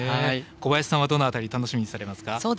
小林さんはどの辺りを楽しみにされますか？